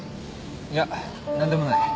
いや何でもない。